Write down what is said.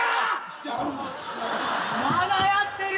まだやってる！